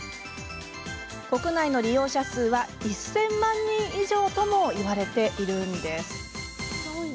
国内の利用者数は１０００万人以上ともいわれています。